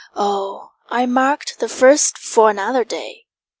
Oh, I kept the first for another day!